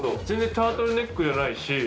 全然タートルネックじゃないし。